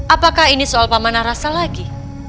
apakah ini soal pemana rasa lagi